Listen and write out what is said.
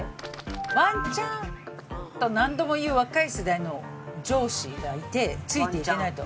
「ワンチャン」と何度も言う若い世代の上司がいてついていけないと。